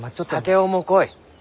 竹雄も来い。